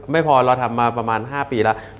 ไม่พอเราทำมาประมาณ๕ปีแล้ว